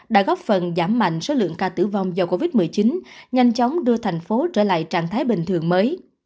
đã góp phần giảm mạnh số lượng ca tử vong do covid một mươi chín nhanh chóng đưa thành phố trở lại trạng thái bình thường mới